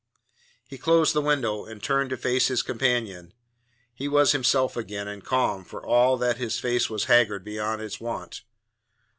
He closed the window, and turned to face his companion. He was himself again, and calm, for all that his face was haggard beyond its wont.